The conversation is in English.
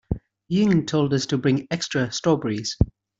Ying told us to bring extra strawberries.